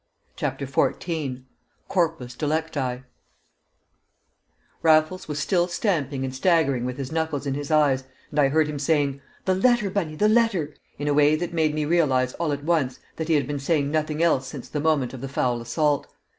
CHAPTER XIV Corpus Delicti Raffles was still stamping and staggering with his knuckles in his eyes, and I heard him saying, "The letter, Bunny, the letter!" in a way that made me realise all at once that he had been saying nothing else since the moment of the foul assault.